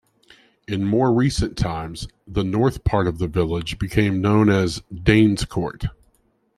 In more recent times, the north part of the village became known as "Danescourt".